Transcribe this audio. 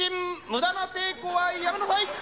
無駄な抵抗はやめなさい！